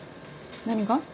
何が？